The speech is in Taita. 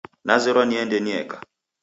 Nazerwa niende nieka